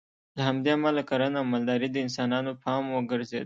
له همدې امله کرنه او مالداري د انسانانو پام وګرځېد